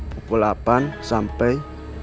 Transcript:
pukul delapan sampai tujuh belas